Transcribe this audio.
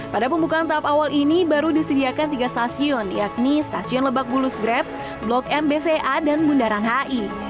pada pembukaan tahap awal ini baru disediakan tiga stasiun yakni stasiun lebak bulus grab blok m bca dan bundaran hi